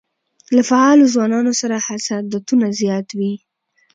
له فعالو ځوانانو سره حسادتونه زیات وي.